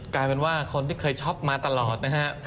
แค่เป็นว่าคนที่เคยช้อปมาตลอดนะครับ